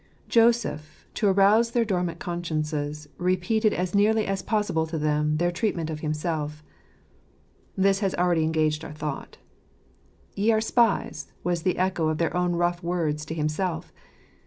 Joseph, to arouse their dormant consciences, repeated as nearly as possible to them , their treatment of himself This has already engaged our thought. "Ye are spies," was the echo of their own rough words to himself.